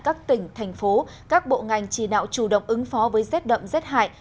các tỉnh thành phố các bộ ngành chỉ đạo chủ động ứng phó với rét đậm rét hại